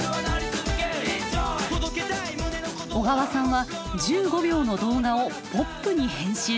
小川さんは１５秒の動画をポップに編集。